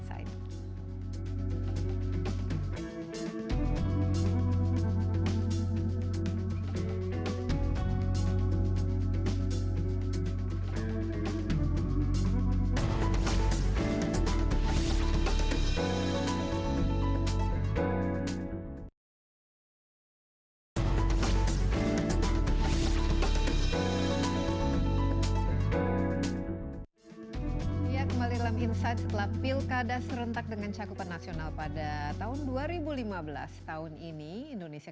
agus firmansyah cnn indonesia